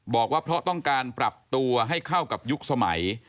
บอกว่าเพราะต้องการปรับตัวให้เข้ากับยุคสมัย